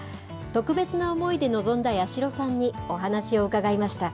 特別な思いで臨んだ八代さんにお話を伺いました。